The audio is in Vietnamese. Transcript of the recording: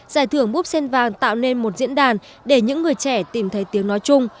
giải thưởng búp sen vàng tạo nên một diễn đàn để những người trẻ tìm thấy tiếng nói chung